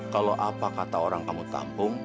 kalau apa kata orang kamu tampung